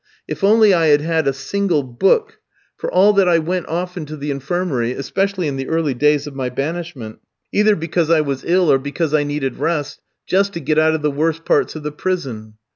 If only I had had a single book. For all that I went often to the infirmary, especially in the early days of my banishment, either because I was ill or because I needed rest, just to get out of the worse parts of the prison.